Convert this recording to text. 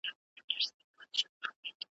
الواته کیږي په زور د وزرونو ,